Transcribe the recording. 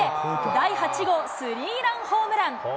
第８号スリーランホームラン。